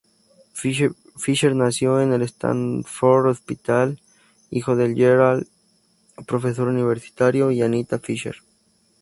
Fisher nació en el Stanford Hospital; hijo de Gerald, profesor universitario, y Anita Fisher.